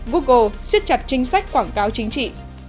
google siết chặt chính sách quảng cáo chính trị